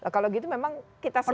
kalau gitu memang kita semua